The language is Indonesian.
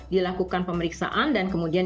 dilakukan pemeriksaan dan kemudian